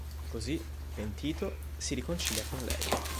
Così, pentito, si riconcilia con lei.